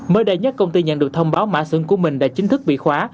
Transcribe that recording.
mới đây nhất công ty nhận được thông báo mã xưởng của mình đã chính thức bị khóa